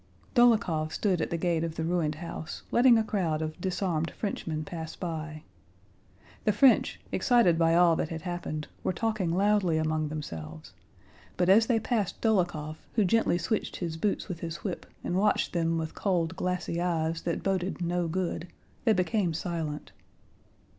Dólokhov stood at the gate of the ruined house, letting a crowd of disarmed Frenchmen pass by. The French, excited by all that had happened, were talking loudly among themselves, but as they passed Dólokhov who gently switched his boots with his whip and watched them with cold glassy eyes that boded no good, they became silent.